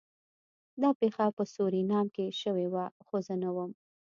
دا پیښه په سورینام کې شوې وه خو زه نه وم